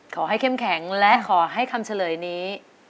เข้มแข็งและขอให้คำเฉลยนี้